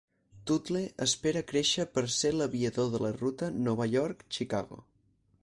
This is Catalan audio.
Tootle espera créixer per ser l'aviador de la ruta Nova York-Chicago.